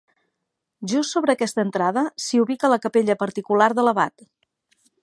Just sobre aquesta entrada, s'hi ubica la capella particular de l'abat.